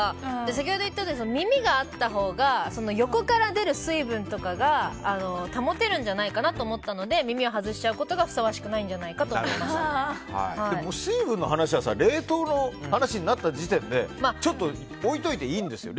先ほど言ったように耳があったほうが横から出る水分とかが保てるんじゃないかと思ったので耳を外しちゃうことがふさわしくないんじゃないかとでも水分の話は冷凍の話になった時点で置いといていいんですよ。